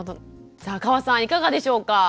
さあ河さんいかがでしょうか。